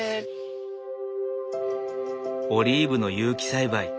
オリーブの有機栽培。